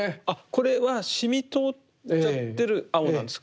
これは染み通っちゃってる青なんですか？